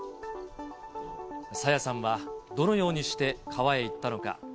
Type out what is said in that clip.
朝芽さんは、どのようにして川へ行ったのか。